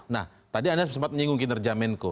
nah tadi anda sempat menyinggung kinerja menko